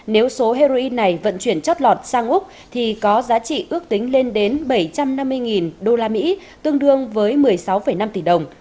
nếu số heroin này vận chuyển chất lọt sang úc thì có giá trị ước tính lên đến bảy trăm năm mươi usd